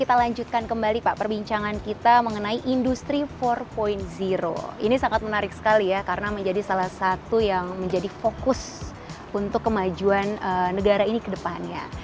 kita lanjutkan kembali pak perbincangan kita mengenai industri empat ini sangat menarik sekali ya karena menjadi salah satu yang menjadi fokus untuk kemajuan negara ini ke depannya